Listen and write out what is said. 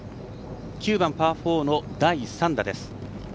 ９番、パー４の第３打です。